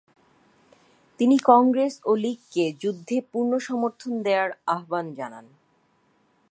তিনি কংগ্রেস ও লীগকে যুদ্ধে পূর্ণ সমর্থন দেয়ার আহ্বান জানান।